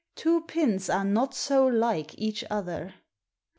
Two pins are not so like each other."